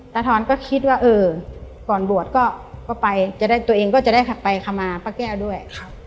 ทอนก็คิดว่าเออก่อนบวชก็ไปจะได้ตัวเองก็จะได้ไปขมาป้าแก้วด้วย